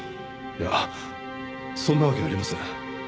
いやそんなわけありません。